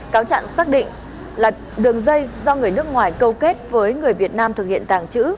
cáo trạng xác định là đường dây do người nước ngoài câu kết với người việt nam thực hiện tàng trữ